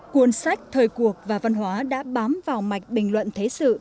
cuốn sách thời cuộc và văn hóa đã bám vào mạch bình luận thế sự